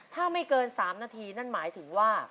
ถ้าไม่เกิน๓นาทีนั่นหมายถึงว่า